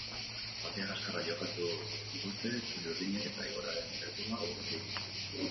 Partida kaskarra jokatu dute txuri-urdinek eta igoeraren helburua, urrutiegi.